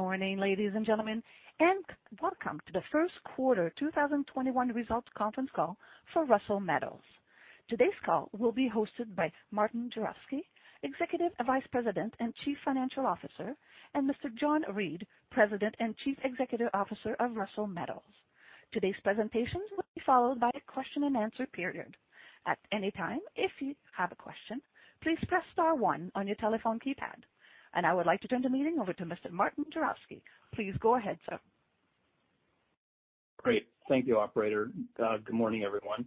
Good morning, ladies and gentlemen, and welcome to the first quarter 2021 results conference call for Russel Metals. Today's call will be hosted by Martin Juravsky, Executive Vice President and Chief Financial Officer, and Mr. John Reid, President and Chief Executive Officer of Russel Metals. Today's presentations will be followed by a question and answer period. At any time, if you have a question, please press star one on your telephone keypad. I would like to turn the meeting over to Mr. Martin Juravsky. Please go ahead, sir. Great. Thank you, operator. Good morning, everyone.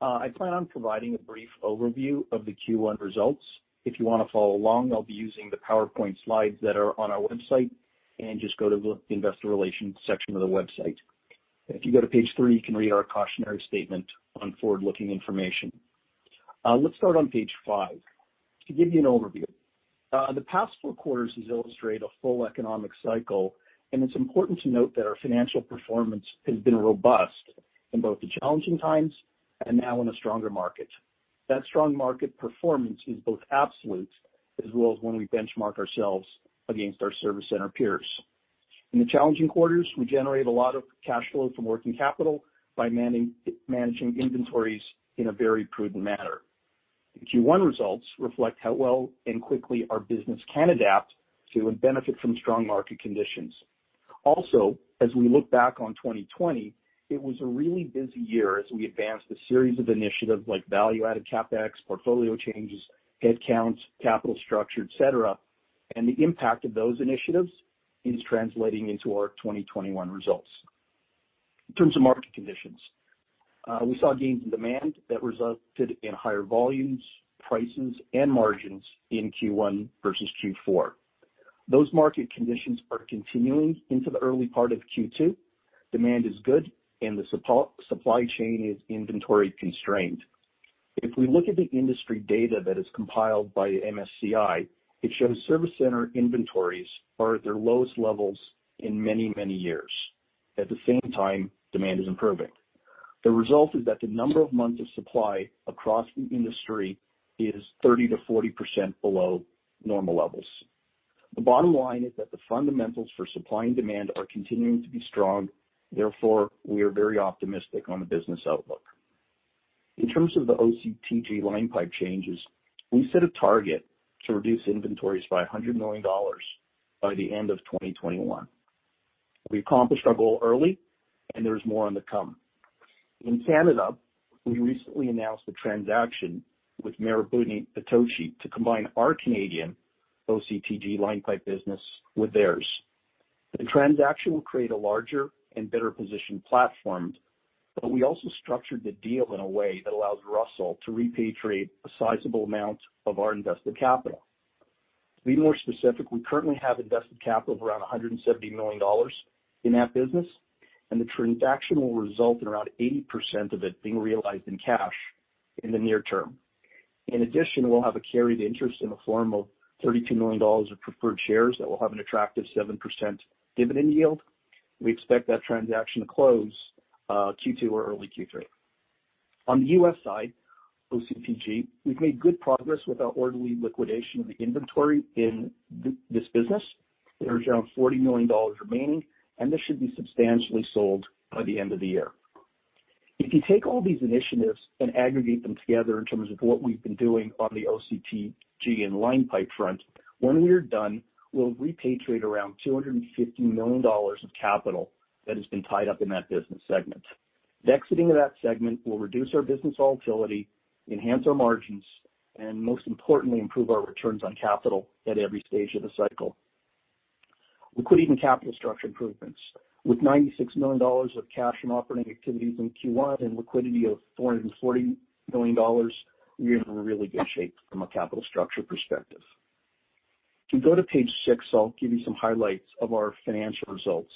I plan on providing a brief overview of the Q1 results. If you want to follow along, I'll be using the PowerPoint slides that are on our website. Just go to the investor relations section of the website. If you go to page three, you can read our cautionary statement on forward-looking information. Let's start on page five. To give you an overview, the past four quarters has illustrated a full economic cycle. It's important to note that our financial performance has been robust in both the challenging times and now in a stronger market. That strong market performance is both absolute as well as when we benchmark ourselves against our service center peers. In the challenging quarters, we generate a lot of cash flow from working capital by managing inventories in a very prudent manner. The Q1 results reflect how well and quickly our business can adapt to and benefit from strong market conditions. As we look back on 2020, it was a really busy year as we advanced a series of initiatives like value-added CapEx, portfolio changes, headcounts, capital structure, et cetera, and the impact of those initiatives is translating into our 2021 results. In terms of market conditions, we saw gains in demand that resulted in higher volumes, prices, and margins in Q1 versus Q4. Those market conditions are continuing into the early part of Q2. Demand is good, the supply chain is inventory constrained. If we look at the industry data that is compiled by MSCI, it shows service center inventories are at their lowest levels in many, many years. At the same time, demand is improving. The result is that the number of months of supply across the industry is 30%-40% below normal levels. The bottom line is that the fundamentals for supply and demand are continuing to be strong, therefore, we are very optimistic on the business outlook. In terms of the OCTG line pipe changes, we set a target to reduce inventories by 100 million dollars by the end of 2021. We accomplished our goal early, and there is more on the come. In Canada, we recently announced a transaction with Marubeni-Itochu to combine our Canadian OCTG line pipe business with theirs. The transaction will create a larger and better-positioned platform, but we also structured the deal in a way that allows Russel Metals to repatriate a sizable amount of our invested capital. To be more specific, we currently have invested capital of around 170 million dollars in that business, and the transaction will result in around 80% of it being realized in cash in the near term. In addition, we'll have a carried interest in the form of 32 million dollars of preferred shares that will have an attractive 7% dividend yield. We expect that transaction to close Q2 or early Q3. On the U.S. side, OCTG, we've made good progress with our orderly liquidation of the inventory in this business. There's around 40 million dollars remaining, and this should be substantially sold by the end of the year. If you take all these initiatives and aggregate them together in terms of what we've been doing on the OCTG and line pipe front, when we are done, we'll repatriate around 250 million dollars of capital that has been tied up in that business segment. The exiting of that segment will reduce our business volatility, enhance our margins, and most importantly, improve our returns on capital at every stage of the cycle. Liquidity and capital structure improvements. With 96 million dollars of cash from operating activities in Q1 and liquidity of 440 million dollars, we are in really good shape from a capital structure perspective. If you go to page six, I'll give you some highlights of our financial results.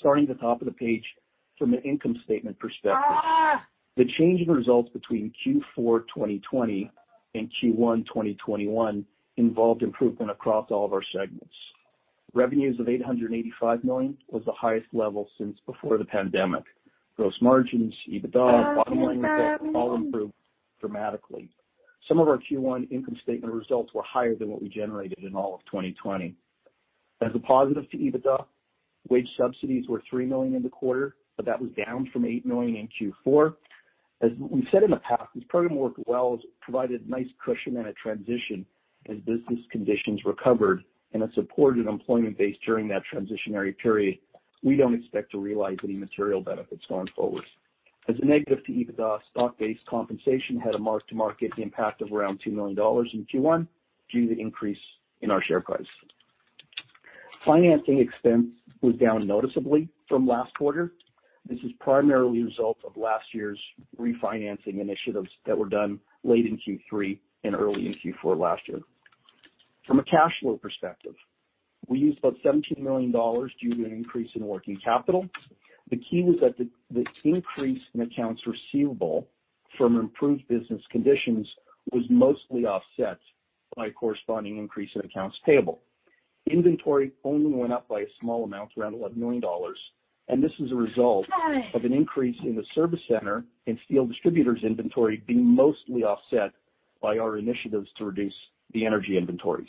Starting at the top of the page, from an income statement perspective, the change in results between Q4 2020 and Q1 2021 involved improvement across all of our segments. Revenues of 885 million was the highest level since before the pandemic. Gross margins, EBITDA, bottom line all improved dramatically. Some of our Q1 income statement results were higher than what we generated in all of 2020. As a positive to EBITDA, wage subsidies were 3 million in the quarter, but that was down from 8 million in Q4. As we've said in the past, this program worked well, has provided nice cushion and a transition as business conditions recovered, and it supported employment base during that transitionary period. We don't expect to realize any material benefits going forward. As a negative to EBITDA, stock-based compensation had a mark-to-market impact of around 2 million dollars in Q1 due to the increase in our share price. Financing expense was down noticeably from last quarter. This is primarily a result of last year's refinancing initiatives that were done late in Q3 and early in Q4 last year. From a cash flow perspective, we used about 17 million dollars due to an increase in working capital. The key was that the increase in accounts receivable from improved business conditions was mostly offset by a corresponding increase in accounts payable. Inventory only went up by a small amount, around 11 million dollars, and this is a result of an increase in the service center and steel distributors inventory being mostly offset by our initiatives to reduce the energy inventories.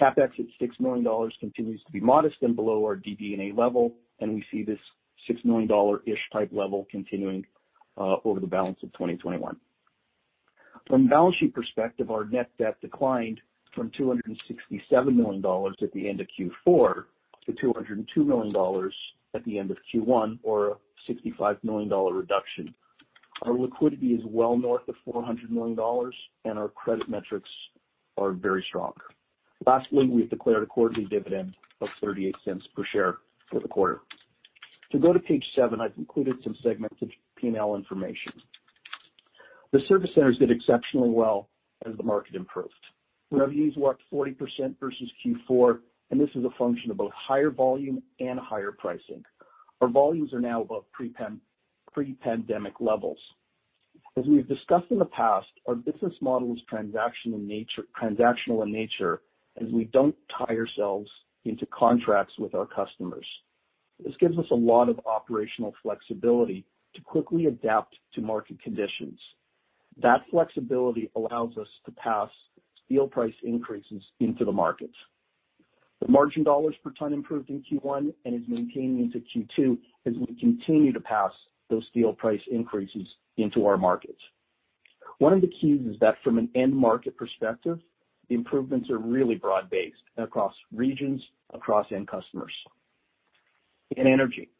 CapEx at 6 million dollars continues to be modest and below our DD&A level. We see this 6 million-ish type level continuing over the balance of 2021. From a balance sheet perspective, our net debt declined from 267 million dollars at the end of Q4 to 202 million dollars at the end of Q1, or a 65 million dollar reduction. Our liquidity is well north of 400 million dollars. Our credit metrics are very strong. Lastly, we have declared a quarterly dividend of 0.38 per share for the quarter. If you go to page seven, I've included some segmented P&L information. The service centers did exceptionally well as the market improved. Revenues were up 40% versus Q4, and this is a function of both higher volume and higher pricing. Our volumes are now above pre-pandemic levels. As we have discussed in the past, our business model is transactional in nature, as we don't tie ourselves into contracts with our customers. This gives us a lot of operational flexibility to quickly adapt to market conditions. That flexibility allows us to pass steel price increases into the markets. The margin dollars per ton improved in Q1 and is maintaining into Q2 as we continue to pass those steel price increases into our markets. One of the keys is that from an end market perspective, the improvements are really broad-based across regions, across end customers. In energy,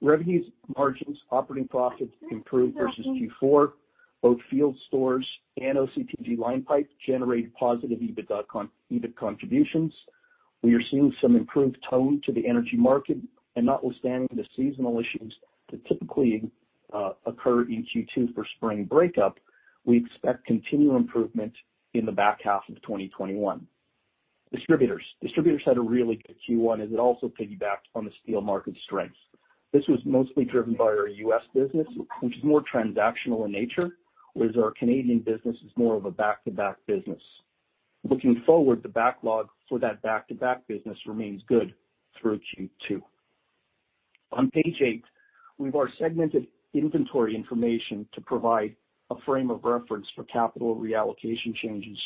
revenues, margins, operating profits improved versus Q4. Both field stores and OCTG/line pipe generated positive EBIT contributions. We are seeing some improved tone to the energy market, and notwithstanding the seasonal issues that typically occur in Q2 for spring breakup, we expect continued improvement in the back half of 2021. Distributors. Distributors had a really good Q1, as it also piggybacked on the steel market strengths. This was mostly driven by our U.S. business, which is more transactional in nature, whereas our Canadian business is more of a back-to-back business. Looking forward, the backlog for that back-to-back business remains good through Q2. On page eight, we've our segmented inventory information to provide a frame of reference for capital reallocation changes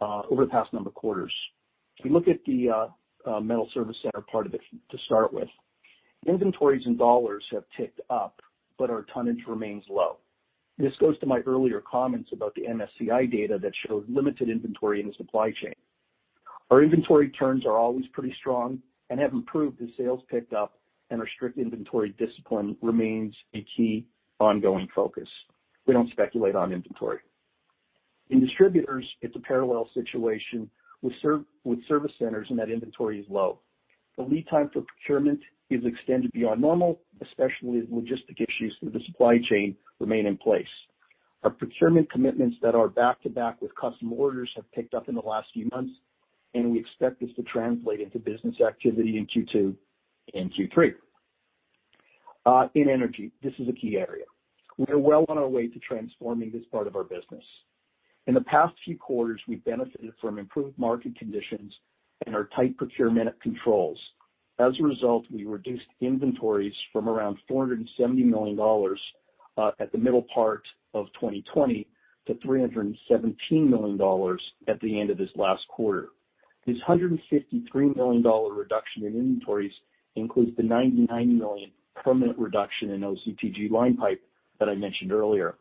over the past number of quarters. If you look at the metal service center part of it to start with, inventories and dollars have ticked up, but our tonnage remains low. This goes to my earlier comments about the MSCI data that showed limited inventory in the supply chain. Our inventory turns are always pretty strong and have improved as sales picked up, and our strict inventory discipline remains a key ongoing focus. We don't speculate on inventory. In distributors, it's a parallel situation with service centers in that inventory is low. The lead time for procurement is extended beyond normal, especially as logistic issues through the supply chain remain in place. Our procurement commitments that are back to back with custom orders have picked up in the last few months, and we expect this to translate into business activity in Q2 and Q3. In energy, this is a key area. We are well on our way to transforming this part of our business. In the past few quarters, we've benefited from improved market conditions and our tight procurement controls. As a result, we reduced inventories from around 470 million dollars at the middle part of 2020 to 317 million dollars at the end of this last quarter. This 153 million dollar reduction in inventories includes the 99 million permanent reduction in OCTG line pipe that I mentioned earlier.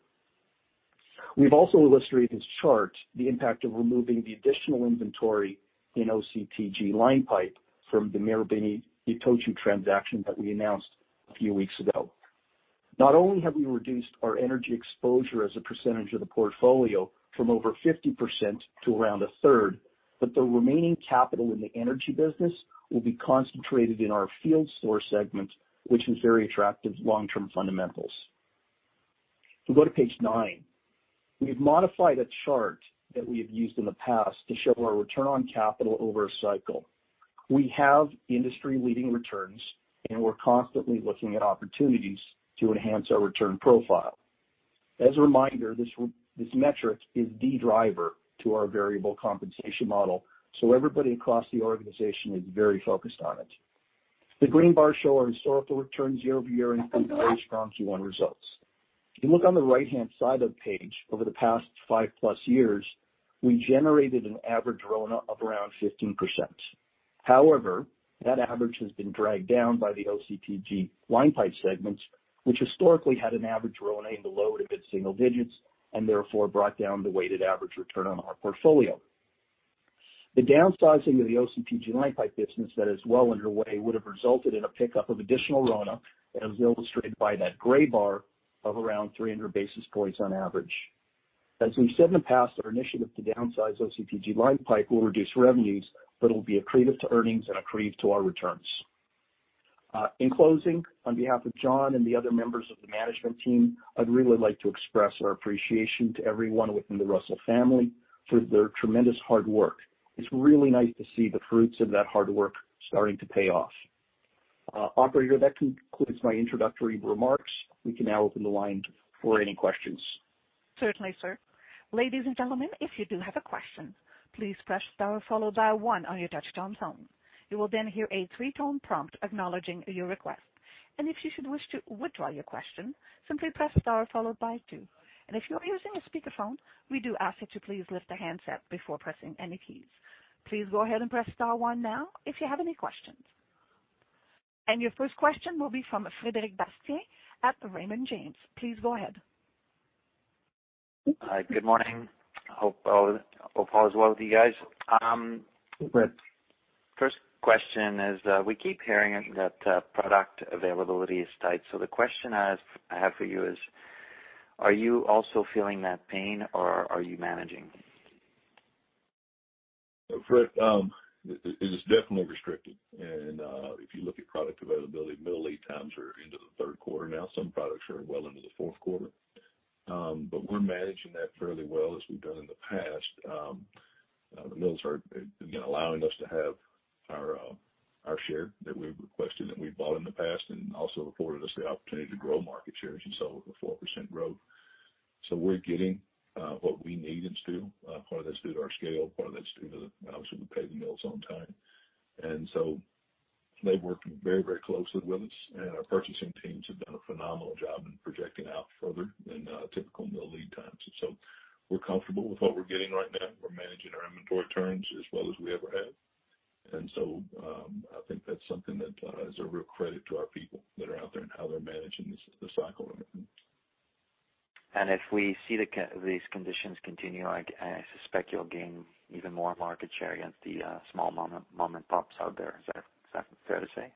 We've also illustrated this chart, the impact of removing the additional inventory in OCTG line pipe from the Marubeni-Itochu transaction that we announced a few weeks ago. Not only have we reduced our energy exposure as a percentage of the portfolio from over 50% to around a third, but the remaining capital in the energy business will be concentrated in our field store segment, which has very attractive long-term fundamentals. If you go to page nine, we've modified a chart that we have used in the past to show our return on capital over a cycle. We have industry-leading returns, and we're constantly looking at opportunities to enhance our return profile. As a reminder, this metric is the driver to our variable compensation model, so everybody across the organization is very focused on it. The green bars show our historical returns year-over-year, including very strong Q1 results. If you look on the right-hand side of the page, over the past 5+ years, we generated an average RONA of around 15%. However, that average has been dragged down by the OCTG line pipe segments, which historically had an average RONA in the low to mid-single digits and therefore brought down the weighted average return on our portfolio. The downsizing of the OCTG/line pipe business that is well underway would have resulted in a pickup of additional RONA, as illustrated by that gray bar, of around 300 basis points on average. As we've said in the past, our initiative to downsize OCTG/line pipe will reduce revenues, but it will be accretive to earnings and accretive to our returns. In closing, on behalf of John and the other members of the management team, I'd really like to express our appreciation to everyone within the Russel family for their tremendous hard work. It's really nice to see the fruits of that hard work starting to pay off. Operator, that concludes my introductory remarks. We can now open the line for any questions. Certainly, sir. Ladies and gentlemen, if you do have a question, please press star followed by one on your touchtone phone. You will then hear a three-tone prompt acknowledging your request. If you should wish to withdraw your question, simply press star followed by two. If you are using a speakerphone, we do ask that you please lift the handset before pressing any keys. Please go ahead and press star one now, if you have any questions. Your first question will be from Frederic Bastien at Raymond James. Please go ahead. Hi. Good morning. Hope all is well with you guys. Hey, Fred. First question is, we keep hearing that product availability is tight. The question I have for you is, are you also feeling that pain or are you managing? Fred, it is definitely restricted. If you look at product availability, mill lead times are into the third quarter now. Some products are well into the fourth quarter. We're managing that fairly well as we've done in the past. The mills are, again, allowing us to have our share that we've requested, that we've bought in the past, and also afforded us the opportunity to grow market share, as you saw with the 4% growth. We're getting what we need in steel. Part of that's due to our scale, part of that's due to Obviously, we pay the mills on time. They've worked very closely with us, and our purchasing teams have done a phenomenal job in projecting out further than typical mill lead times. We're comfortable with what we're getting right now, and we're managing our inventory turns as well as we ever have. I think that's something that is a real credit to our people that are out there and how they're managing the cycle. If we see these conditions continue, I suspect you'll gain even more market share against the small mom-and-pops out there. Is that fair to say?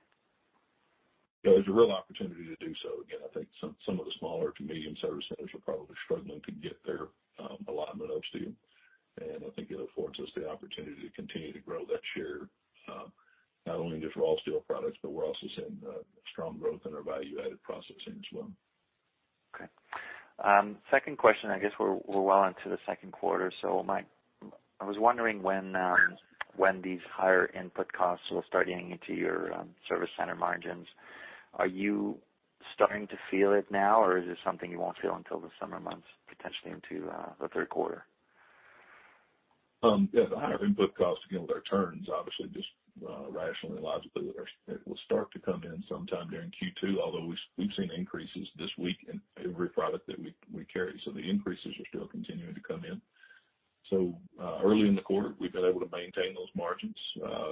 Yeah, there's a real opportunity to do so. I think some of the smaller to medium service centers are probably struggling to get their alignment up to you. I think it affords us the opportunity to continue to grow that share, not only just raw steel products, but we're also seeing strong growth in our value-added processing as well. Okay. Second question, I guess we're well into the second quarter, so I was wondering when these higher input costs will start getting into your service center margins. Are you starting to feel it now, or is this something you won't feel until the summer months, potentially into the third quarter? Yeah. The higher input costs, again, with our turns, obviously, just rationally and logically, it will start to come in sometime during Q2, although we've seen increases this week in every product that we carry. The increases are still continuing to come in. Early in the quarter, we've been able to maintain those margins,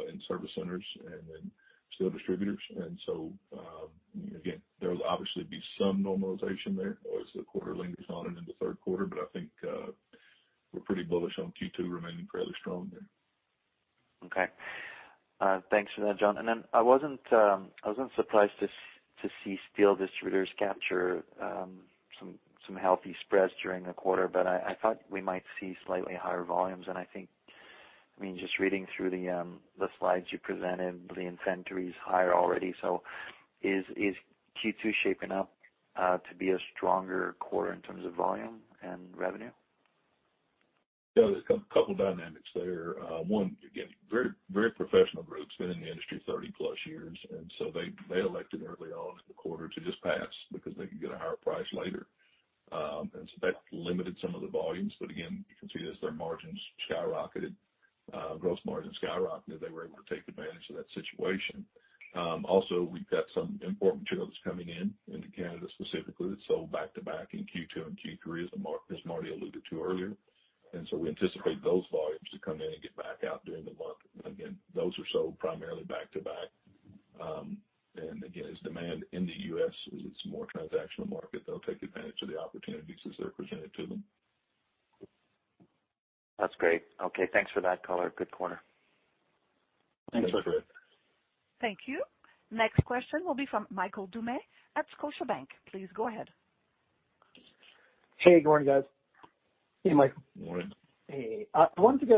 in service centers and in steel distributors. Again, there'll obviously be some normalization there as the quarter lingers on into the third quarter. I think we're pretty bullish on Q2 remaining fairly strong there. Okay. Thanks for that, John. I wasn't surprised to see steel distributors capture some healthy spreads during the quarter, but I thought we might see slightly higher volumes. I think, just reading through the slides you presented, the inventory is higher already. Is Q2 shaping up to be a stronger quarter in terms of volume and revenue? There's a couple of dynamics there. One, again, very professional group. Been in the industry 30+ years, they elected early on in the quarter to just pass because they could get a higher price later. That limited some of the volumes. Again, you can see as their margins skyrocketed, gross margin skyrocketed, they were able to take advantage of that situation. Also, we've got some import material that's coming in, into Canada specifically, that's sold back-to-back in Q2 and Q3, as Martin alluded to earlier. We anticipate those volumes to come in and get back out during the month. Again, those are sold primarily back-to-back. Again, as demand in the U.S. is, it's a more transactional market. They'll take advantage of the opportunities as they're presented to them. That's great. Okay, thanks for that color. Good quarter. Thanks, Frederic. Thank you. Next question will be from Michael Dumais at Scotiabank. Please go ahead. Hey, good morning, guys. Hey, Mike. Morning. Hey. I wanted to get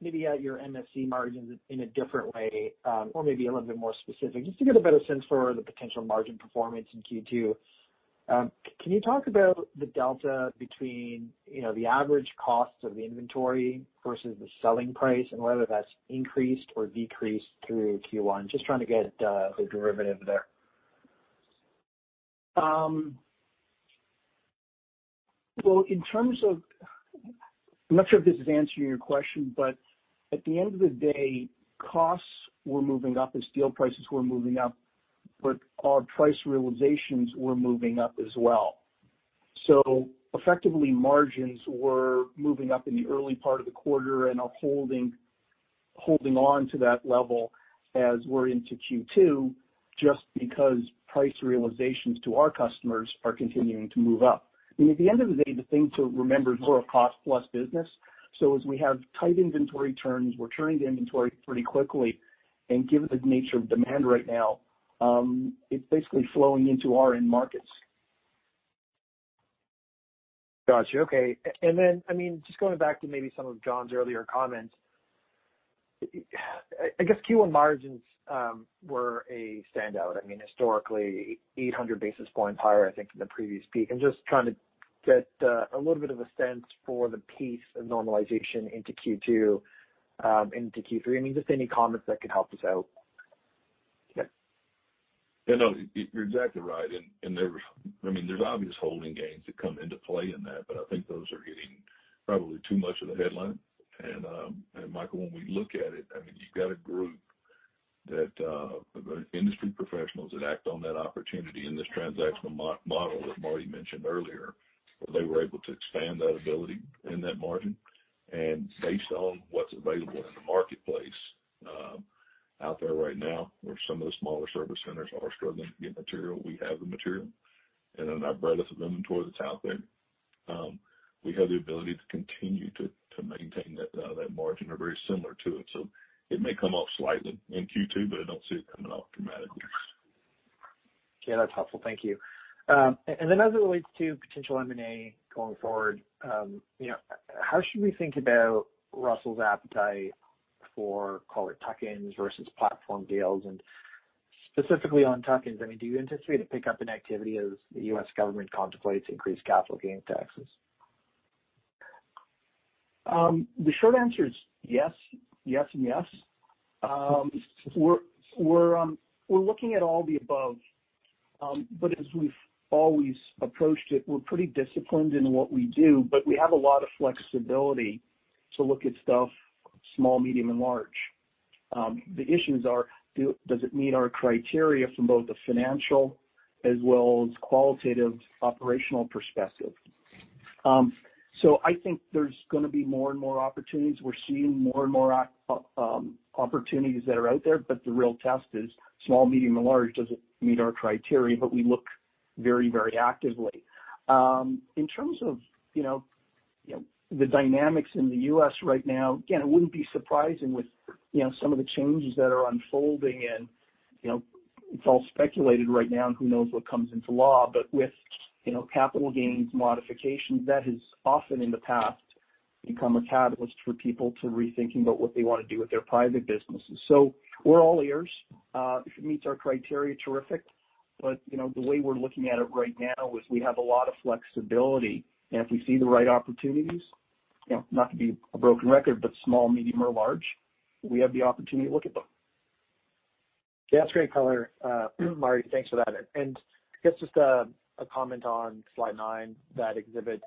maybe at your MSC margins in a different way, or maybe a little bit more specific, just to get a better sense for the potential margin performance in Q2. Can you talk about the delta between the average cost of the inventory versus the selling price and whether that's increased or decreased through Q1? Just trying to get the derivative there. Well, I'm not sure if this is answering your question, but at the end of the day, costs were moving up as steel prices were moving up, but our price realizations were moving up as well. Effectively, margins were moving up in the early part of the quarter and are holding on to that level as we're into Q2, just because price realizations to our customers are continuing to move up. I mean, at the end of the day, the thing to remember is we're a cost-plus business. As we have tight inventory turns, we're turning the inventory pretty quickly, and given the nature of demand right now, it's basically flowing into our end markets. Got you. Okay. Just going back to maybe some of John's earlier comments, I guess Q1 margins were a standout, historically 800 basis points higher, I think, than the previous peak, just trying to get a little bit of a sense for the pace of normalization into Q2, into Q3. I mean, just any comments that could help us out? Yeah. No, you're exactly right. There's obvious holding gains that come into play in that, but I think those are probably too much of the headline. Michael, when we look at it, you've got a group of industry professionals that act on that opportunity in this transactional model that Martin mentioned earlier, where they were able to expand that ability and that margin. Based on what's available in the marketplace out there right now, where some of the smaller service centers are struggling to get material, we have the material. In our breadth of inventory that's out there, we have the ability to continue to maintain that margin, or very similar to it. It may come off slightly in Q2, but I don't see it coming off dramatically. Okay. That's helpful. Thank you. As it relates to potential M&A going forward, how should we think about Russel's appetite for, call it tuck-ins versus platform deals? Specifically on tuck-ins, do you anticipate a pickup in activity as the U.S. government contemplates increased capital gain taxes? The short answer is yes, and yes. We're looking at all the above. As we've always approached it, we're pretty disciplined in what we do, but we have a lot of flexibility to look at stuff small, medium, and large. The issues are, does it meet our criteria from both the financial as well as qualitative operational perspective? I think there's going to be more and more opportunities. We're seeing more and more opportunities that are out there, but the real test is small, medium, and large, does it meet our criteria? We look very actively. In terms of the dynamics in the U.S. right now, again, it wouldn't be surprising with some of the changes that are unfolding, and it's all speculated right now, and who knows what comes into law. With capital gains modifications, that has often, in the past, become a catalyst for people to rethink about what they want to do with their private businesses. We're all ears. If it meets our criteria, terrific. The way we're looking at it right now is we have a lot of flexibility, and if we see the right opportunities, not to be a broken record, but small, medium, or large, we have the opportunity to look at them. Yeah. That's great color, Martin, thanks for that. I guess just a comment on slide nine, that exhibit.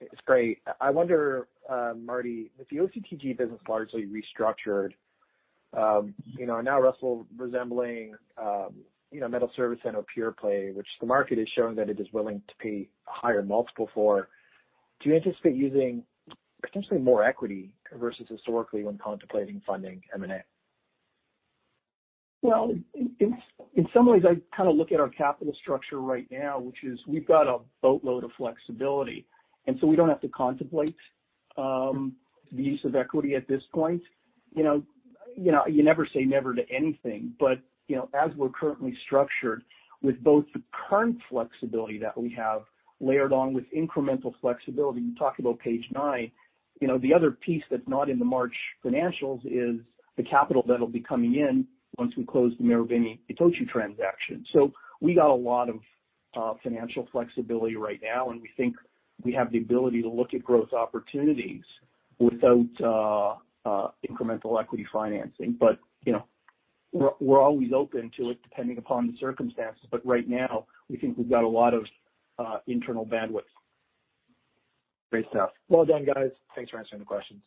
It's great. I wonder, Martin, with the OCTG business largely restructured, now Russel resembling metal service center pure-play, which the market is showing that it is willing to pay a higher multiple for, do you anticipate using potentially more equity versus historically when contemplating funding M&A? Well, in some ways, I look at our capital structure right now, which is we've got a boatload of flexibility, and so we don't have to contemplate the use of equity at this point. You never say never to anything, as we're currently structured with both the current flexibility that we have layered on with incremental flexibility, when you talk about page nine, the other piece that's not in the March financials is the capital that'll be coming in once we close the Marubeni-Itochu transaction. We got a lot of financial flexibility right now, and we think we have the ability to look at growth opportunities without incremental equity financing. We're always open to it depending upon the circumstances. Right now, we think we've got a lot of internal bandwidth. Great stuff. Well done, guys. Thanks for answering the questions.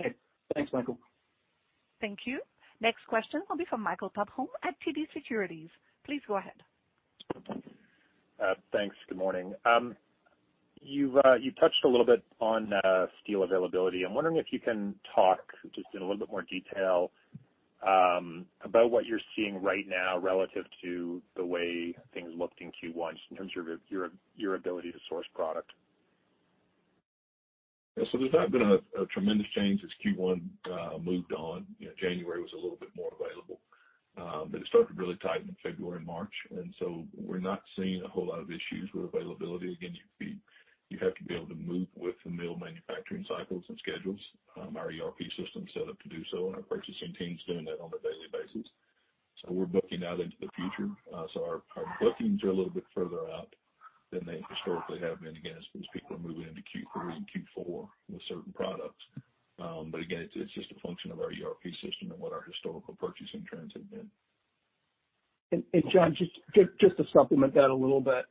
Okay. Thanks, Michael. Thank you. Next question will be from Michael Tupholme at TD Securities. Please go ahead. Thanks. Good morning. You touched a little bit on steel availability. I'm wondering if you can talk just in a little bit more detail about what you're seeing right now relative to the way things looked in Q1 just in terms of your ability to source product. Yeah. There's not been a tremendous change since Q1 moved on. January was a little bit more available. It started to really tighten in February and March, and so we're not seeing a whole lot of issues with availability. Again, you have to be able to move with the mill manufacturing cycles and schedules. Our ERP system is set up to do so, and our purchasing team's doing that on a daily basis. We're booking out into the future. Our bookings are a little bit further out than they historically have been, again, as people are moving into Q3 and Q4 with certain products. Again, it's just a function of our ERP system and what our historical purchasing trends have been. John, just to supplement that a little bit.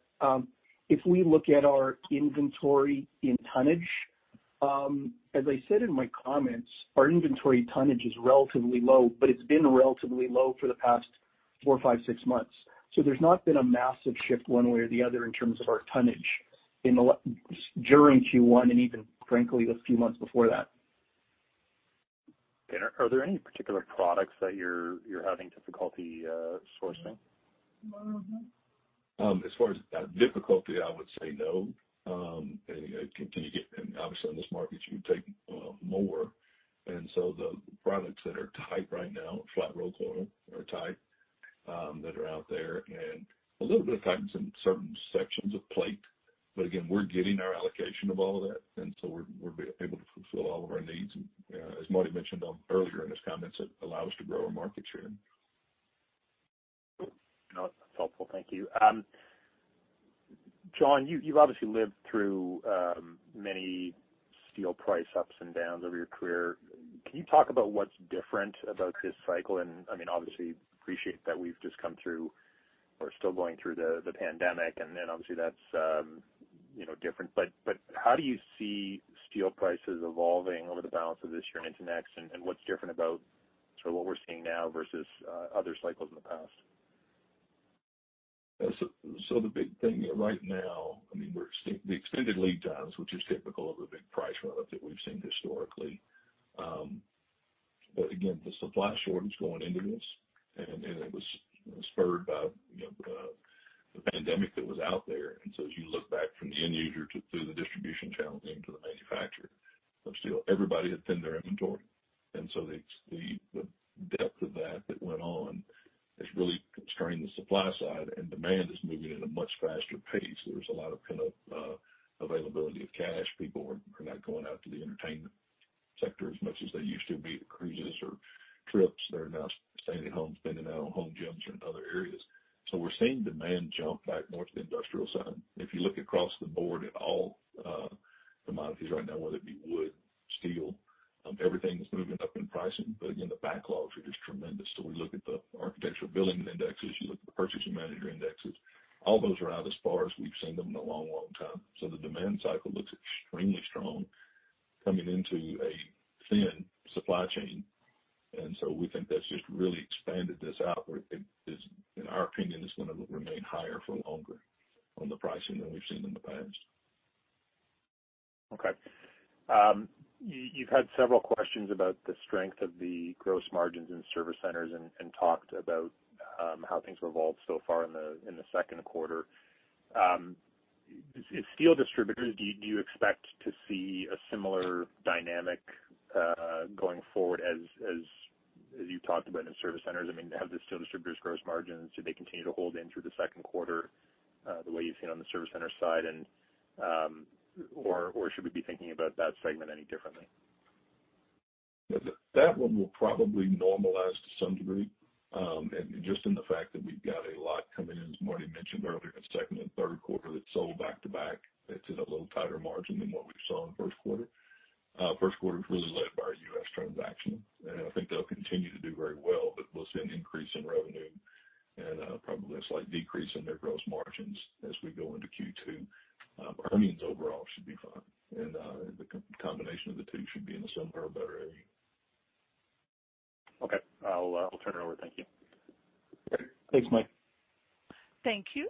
If we look at our inventory in tonnage, as I said in my comments, our inventory tonnage is relatively low, but it's been relatively low for the past four, five, six months. There's not been a massive shift one way or the other in terms of our tonnage during Q1 and even, frankly, a few months before that. Okay. Are there any particular products that you're having difficulty sourcing? As far as difficulty, I would say no. Obviously, in this market, you would take more. The products that are tight right now, flat rolled coil are tight, that are out there, and a little bit of tightness in certain sections of plate. Again, we're getting our allocation of all of that, so we're able to fulfill all of our needs. As Martin mentioned earlier in his comments, it allow us to grow our market share. Cool. That's helpful. Thank you. John, you've obviously lived through many steel price ups and downs over your career. Can you talk about what's different about this cycle? Obviously, appreciate that we're still going through the pandemic, and then obviously that's different. How do you see steel prices evolving over the balance of this year and into next, and what's different about what we're seeing now versus other cycles in the past? The big thing right now, we're seeing the extended lead times, which is typical of a big price run-up that we've seen historically. Again, the supply shortage going into this, and it was spurred by the pandemic that was out there. As you look back from the end user through the distribution channel into the manufacturer of steel, everybody had thinned their inventory. The depth of that went on, has really constrained the supply side, and demand is moving at a much faster pace. There's a lot of availability of cash. People are not going out to the entertainment sector as much as they used to be, the cruises or trips. They're now staying at home, spending that on home gyms or in other areas. We're seeing demand jump back more to the industrial side. If you look across the board at all commodities right now, whether it be wood, steel, everything is moving up in pricing. Again, the backlogs are just tremendous. We look at the architectural billing indexes, you look at the purchasing manager indexes, all those are out as far as we've seen them in a long time. The demand cycle looks extremely strong coming into a thin supply chain, and so we think that's just really expanded this out where it, in our opinion, is going to remain higher for longer on the pricing than we've seen in the past. Okay. You've had several questions about the strength of the gross margins in service centers and talked about how things have evolved so far in the second quarter. In steel distributors, do you expect to see a similar dynamic going forward as you talked about in service centers? Do they continue to hold in through the second quarter the way you've seen on the service center side, or should we be thinking about that segment any differently? That one will probably normalize to some degree. Just in the fact that we've got a lot coming in, as Martin mentioned earlier, in second and third quarter that's sold back to back. That's at a little tighter margin than what we saw in the first quarter. First quarter was really led by our U.S. transaction, and I think they'll continue to do very well, but we'll see an increase in revenue and probably a slight decrease in their gross margins as we go into Q2. Earnings overall should be fine, and the combination of the two should be in the somewhere about area. Okay. I'll turn it over. Thank you. Great. Thanks, Mike. Thank you.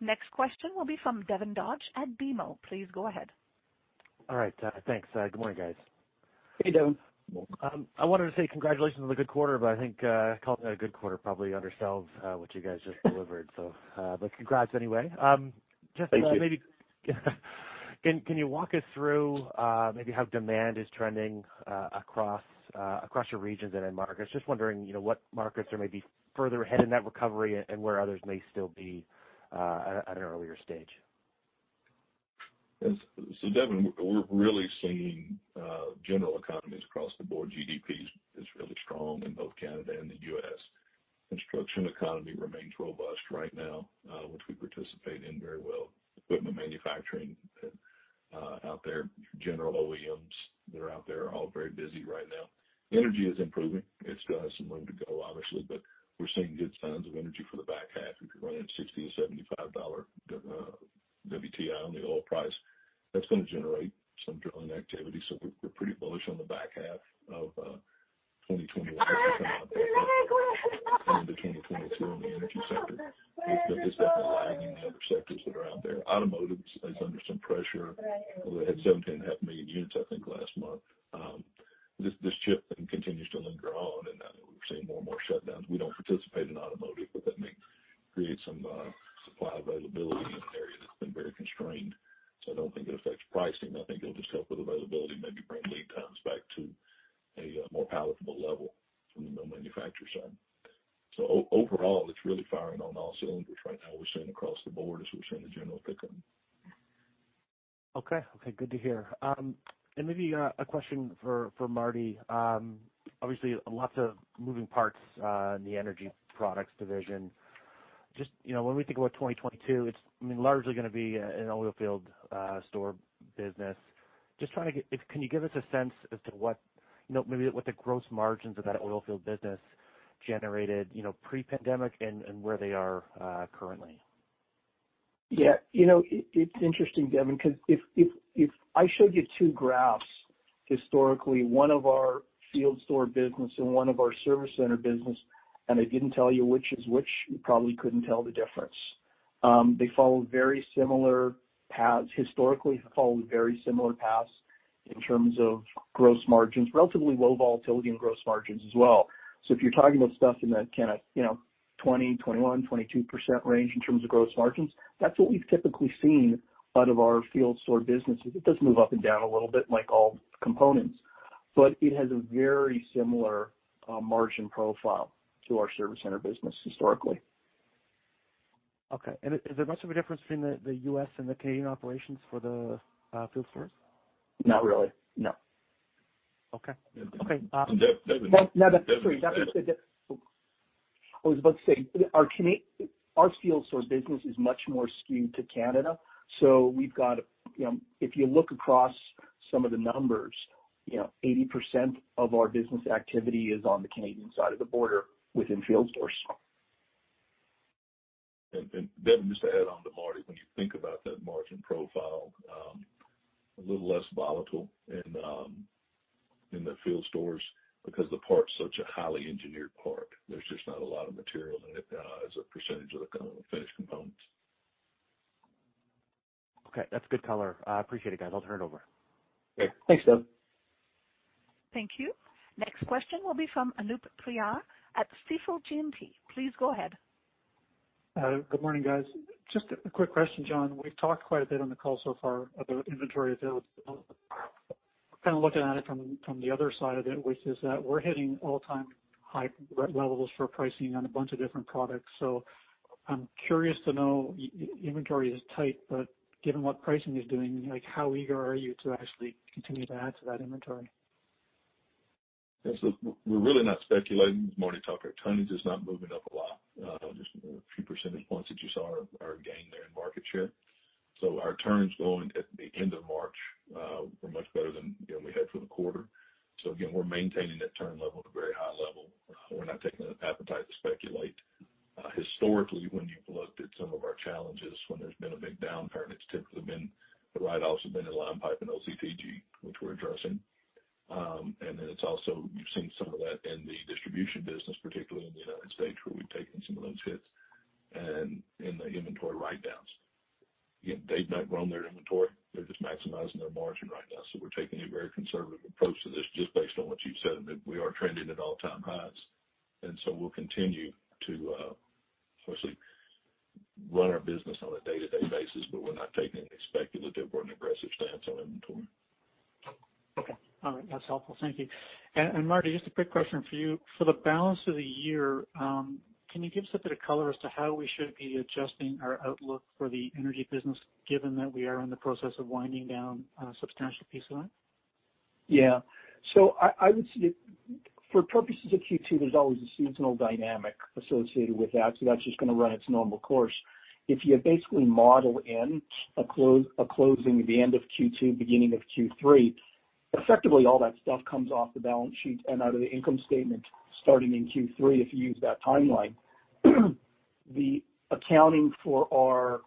Next question will be from Devin Dodge at BMO. Please go ahead. All right. Thanks. Good morning, guys. Hey, Devin. I wanted to say congratulations on the good quarter, I think calling it a good quarter probably undersells what you guys just delivered. Congrats anyway. Thank you. Can you walk us through maybe how demand is trending across your regions and end markets? Just wondering what markets are maybe further ahead in that recovery and where others may still be at an earlier stage. Devin, we're really seeing general economies across the board. GDP is really strong in both Canada and the U.S. Construction economy remains robust right now, which we participate in very well. Equipment manufacturing out there, general OEMs that are out there are all very busy right now. Energy is improving. It still has some room to go, obviously, but we're seeing good signs of energy for the back half. If you're running at 60-75 dollar WTI on the oil price, that's going to generate some drilling activity. We're pretty bullish on the back half of 2021 and into 2022 on the energy sector. It's definitely lagging in the other sectors that are out there. Automotive is under some pressure. They had 17.5 million units, I think, last month. This chip thing continues to linger on, and we're seeing more and more shutdowns. We don't participate in automotive, but that may create some supply availability in an area that's been very constrained. I don't think it affects pricing. I think it'll just help with availability, maybe bring lead times back to a more palatable level from the manufacturer side. Overall, it's really firing on all cylinders right now. We're seeing across the board is we're seeing a general pickup. Okay. Good to hear. Maybe a question for Martin. Obviously, lots of moving parts in the energy products division. Just when we think about 2022, it's largely going to be an oilfield store business. Can you give us a sense as to what maybe what the gross margins of that oilfield business generated pre-pandemic and where they are currently? It's interesting, Devin, because if I showed you two graphs historically, one of our field store business and one of our service center business, and I didn't tell you which is which, you probably couldn't tell the difference. They followed very similar paths historically, followed very similar paths in terms of gross margins, relatively low volatility and gross margins as well. If you're talking about stuff in that kind of 20% to 21% to 22% range in terms of gross margins, that's what we've typically seen out of our field store business. It does move up and down a little bit like all components, but it has a very similar margin profile to our service center business historically. Okay. Is there much of a difference between the U.S. and the Canadian operations for the field stores? Not really, no. Okay. Devin- Sorry. I was about to say, our field source business is much more skewed to Canada. If you look across some of the numbers, 80% of our business activity is on the Canadian side of the border within field stores. Just to add on to Martin, when you think about that margin profile, a little less volatile in the field stores because the part's such a highly engineered part. There's just not a lot of material in it as a percentage of the finished components. Okay. That's a good color. I appreciate it, guys. I'll turn it over. Great. Thanks, Devin. Thank you. Next question will be from Anoop Prihar at Stifel GMP. Please go ahead. Good morning, guys. Just a quick question, John. We've talked quite a bit on the call so far about inventory availability. Kind of looking at it from the other side of it, which is that we're hitting all-time high levels for pricing on a bunch of different products. I'm curious to know, inventory is tight, but given what pricing is doing, how eager are you to actually continue to add to that inventory? Yes. We're really not speculating. As Martin talked, our tonnage is not moving up a lot. Just a few percentage points that you saw are a gain there in market share. Our turns going at the end of March, were much better than we had for the quarter. Again, we're maintaining that turn level at a very high level. We're not taking an appetite to speculate. Historically, when you've looked at some of our challenges, when there's been a big downturn, it's typically been the write-offs have been in line pipe and OCTG, which we're addressing. It's also, you've seen some of that in the distribution business, particularly in the U.S., where we've taken some of those hits and in the inventory write-downs. Again, they've not grown their inventory. They're just maximizing their margin right now. We're taking a very conservative approach to this, just based on what you've said, and that we are trending at all-time highs. We'll continue to, firstly, run our business on a day-to-day basis, but we're not taking an expected or an aggressive stance on inventory. Okay. All right. That's helpful. Thank you. Martin, just a quick question for you. For the balance of the year, can you give us a bit of color as to how we should be adjusting our outlook for the energy business, given that we are in the process of winding down a substantial piece of that? Yeah. I would say for purposes of Q2, there's always a seasonal dynamic associated with that, so that's just going to run its normal course. If you basically model in a closing at the end of Q2, beginning of Q3, effectively all that stuff comes off the balance sheet and out of the income statement starting in Q3, if you use that timeline. The accounting for our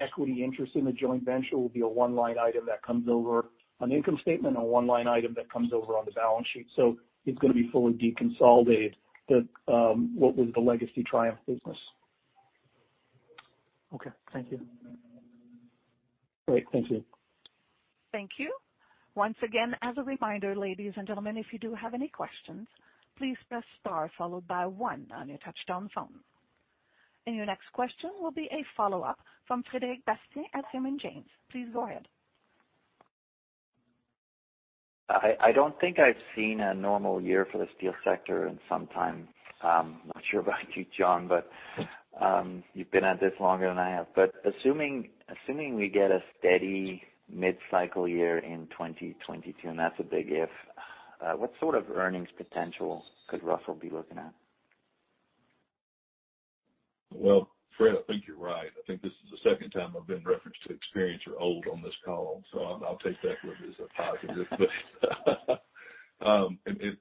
equity interest in the joint venture will be a one-line item that comes over on the income statement and a one-line item that comes over on the balance sheet. It's going to be fully deconsolidated, what was the legacy Triumph business. Okay. Thank you. Great. Thank you. Thank you. Once again, as a reminder, ladies and gentlemen, if you do have any questions, please press star followed by one on your touch-tone phone. Your next question will be a follow-up from Frederic Bastien at Raymond James. Please go ahead. I don't think I've seen a normal year for the steel sector in some time. I'm not sure about you, John, but you've been at this longer than I have. Assuming we get a steady mid-cycle year in 2022, and that's a big if, what sort of earnings potential could Russel be looking at? Well, Frederic, I think you're right. I think this is the second time I've been referenced to experienced or old on this call, I'll take that as a positive.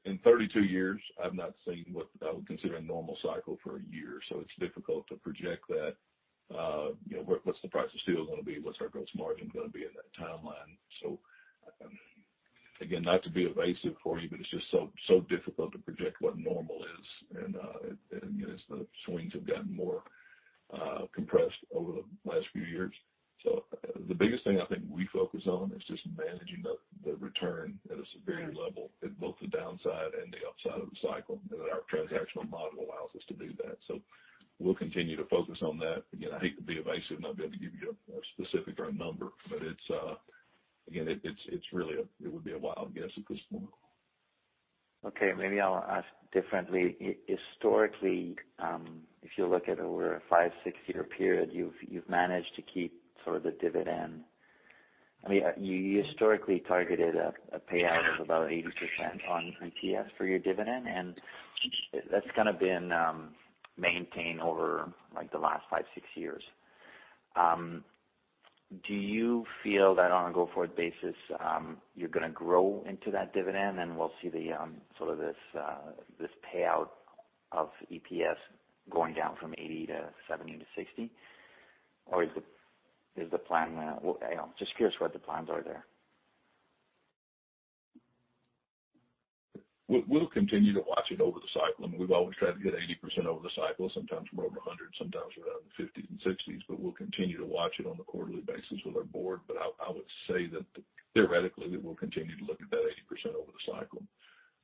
In 32 years, I've not seen what I would consider a normal cycle for a year, it's difficult to project that. What's the price of steel going to be? What's our gross margin going to be in that timeline? Again, not to be evasive for you, but it's just so difficult to project what normal is. Again, as the swings have gotten more compressed over the last few years. The biggest thing I think we focus on is just managing the return at a superior level at both the downside and the upside of the cycle, and our transactional model allows us to do that. We'll continue to focus on that. Again, I hate to be evasive, not be able to give you a specific or a number, but again, it would be a wild guess at this point. Okay. Maybe I'll ask differently. Historically, if you look at over a five, six-year period, you've managed to keep the dividend. You historically targeted a payout of about 80% on EPS for your dividend, and that's been maintained over the last five, six years. Do you feel that on a go-forward basis, you're going to grow into that dividend and we'll see this payout of EPS going down from 80% to 70% to 60%? Is the plan I don't know. Just curious what the plans are there. We'll continue to watch it over the cycle, and we've always tried to hit 80% over the cycle. Sometimes we're over 100%, sometimes we're around 50%s and 60%s, but we'll continue to watch it on a quarterly basis with our board. I would say that theoretically, we will continue to look at that 80% over the cycle.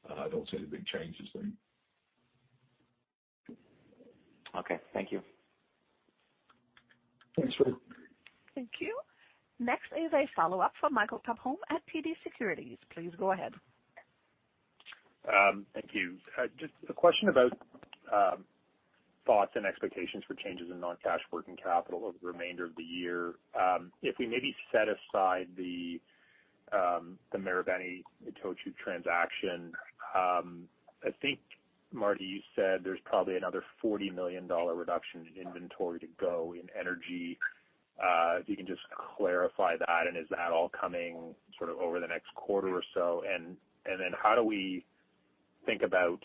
I don't see any big changes there. Okay. Thank you. Thanks, Fred. Thank you. Next is a follow-up from Michael Tupholme at TD Securities. Please go ahead. Thank you. Just a question about thoughts and expectations for changes in non-cash working capital over the remainder of the year. If we maybe set aside the Marubeni-Itochu transaction, I think Martin, you said there's probably another 40 million dollar reduction in inventory to go in energy. If you can just clarify that, and is that all coming sort of over the next quarter or so? How do we think about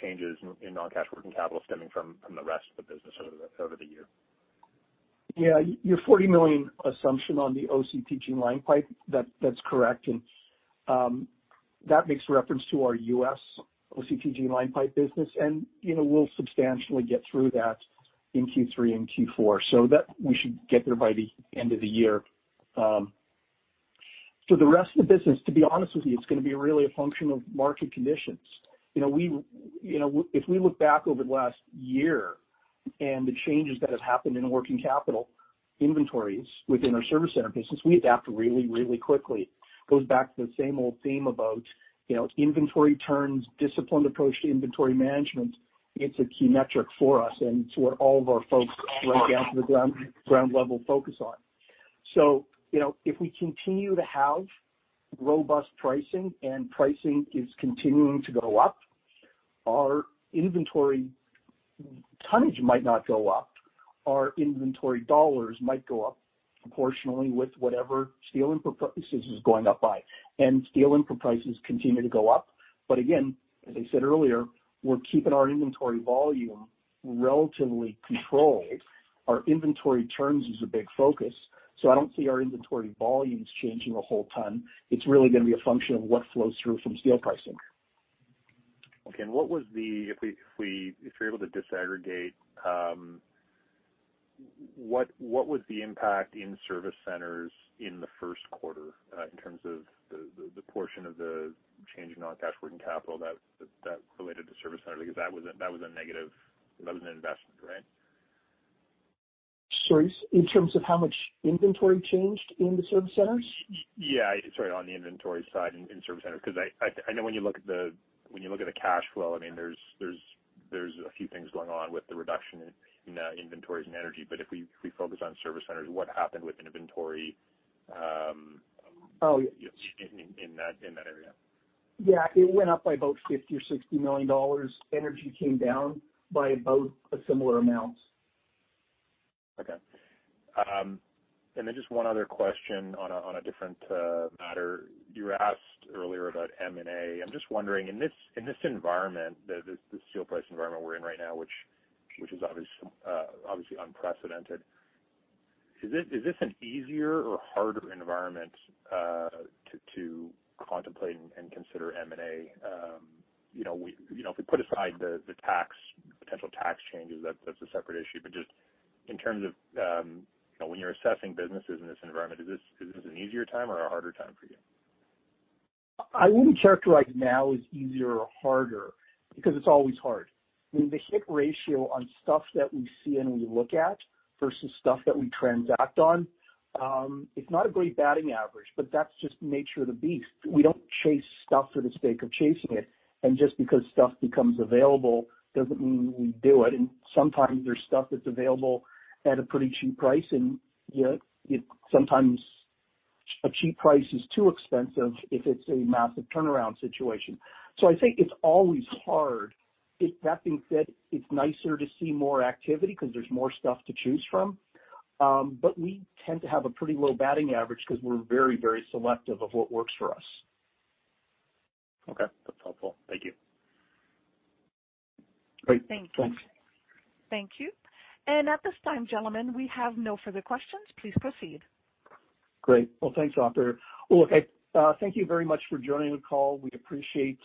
changes in non-cash working capital stemming from the rest of the business over the year? Your 40 million assumption on the OCTG line pipe, that's correct. That makes reference to our U.S. OCTG line pipe business and we'll substantially get through that in Q3 and Q4, so we should get there by the end of the year. For the rest of the business, to be honest with you, it's going to be really a function of market conditions. If we look back over the last year and the changes that have happened in working capital inventories within our service center business, we adapt really, really quickly. It goes back to the same old theme about inventory turns, disciplined approach to inventory management. It's a key metric for us, and it's what all of our folks right down to the ground level focus on. If we continue to have robust pricing and pricing is continuing to go up, our inventory tonnage might not go up. Our inventory dollars might go up proportionally with whatever steel input prices is going up by. Steel input prices continue to go up, but again, as I said earlier, we're keeping our inventory volume relatively controlled. Our inventory turns is a big focus, so I don't see our inventory volumes changing a whole ton. It's really going to be a function of what flows through from steel pricing. Okay, if you're able to disaggregate, what was the impact in service centers in the first quarter, in terms of the portion of the change in non-cash working capital that related to service centers? That was a negative, that was an investment, right? Sorry, in terms of how much inventory changed in the service centers? Yeah, sorry, on the inventory side in service centers, because I know when you look at the cash flow, there's a few things going on with the reduction in inventories and energy. If we focus on service centers, what happened with inventory? Oh, yeah. In that area? Yeah. It went up by about 50 million or 60 million dollars. Energy came down by about a similar amount. Okay. Just one other question on a different matter. You were asked earlier about M&A. I'm just wondering, in this environment, the steel price environment we're in right now, which is obviously unprecedented, is this an easier or harder environment to contemplate and consider M&A? If we put aside the potential tax changes, that's a separate issue, but just in terms of when you're assessing businesses in this environment, is this an easier time or a harder time for you? I wouldn't characterize now as easier or harder because it's always hard. I mean, the hit ratio on stuff that we see and we look at versus stuff that we transact on, it's not a great batting average. That's just the nature of the beast. We don't chase stuff for the sake of chasing it. Just because stuff becomes available doesn't mean we do it. Sometimes there's stuff that's available at a pretty cheap price. Yet sometimes a cheap price is too expensive if it's a massive turnaround situation. I think it's always hard. That being said, it's nicer to see more activity because there's more stuff to choose from. We tend to have a pretty low batting average because we're very, very selective of what works for us. Okay. That's helpful. Thank you. Great. Thanks. Thank you. At this time, gentlemen, we have no further questions. Please proceed. Great. Well, thanks, operator. Well, look, thank you very much for joining the call. We appreciate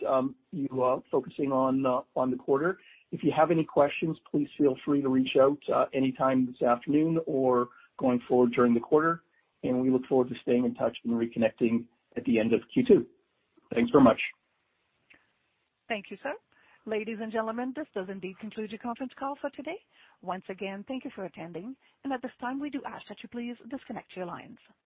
you focusing on the quarter. If you have any questions, please feel free to reach out anytime this afternoon or going forward during the quarter. We look forward to staying in touch and reconnecting at the end of Q2. Thanks very much. Thank you, sir. Ladies and gentlemen, this does indeed conclude your conference call for today. Once again, thank you for attending, and at this time, we do ask that you please disconnect your lines.